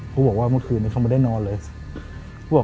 เขาบอกว่าเมื่อคืนนี้เขาไม่ได้นอนเลย